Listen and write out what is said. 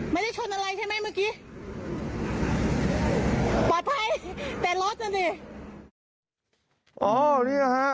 ไม่ได้ชนอะไรใช่ไหมเมื่อกี้ปลอดภัยแต่รถน่ะสิอ๋อเนี่ยฮะ